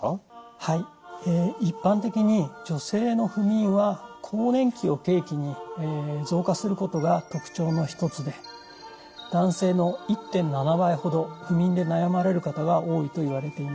はい一般的に女性の不眠は更年期を契機に増加することが特徴の一つで男性の１．７倍ほど不眠で悩まれる方が多いといわれています。